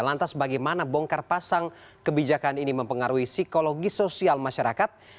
lantas bagaimana bongkar pasang kebijakan ini mempengaruhi psikologi sosial masyarakat